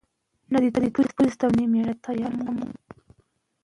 کله چې ماشومان زده کړه وکړي، ټولنیز تاوتریخوالی نه پراخېږي.